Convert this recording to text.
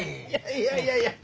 いやいやいや。